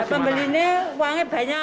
pembeli ini uangnya banyak